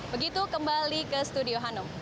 begitu kembali ke studio hanum